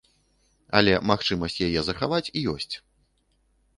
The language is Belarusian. Але магчымасць яе захаваць ёсць.